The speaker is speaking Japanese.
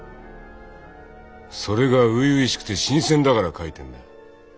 それが初々しくて新鮮だから描いてんだよ。